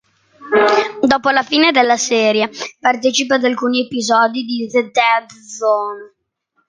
Dopo la fine della serie partecipa ad alcuni episodi di "The Dead Zone".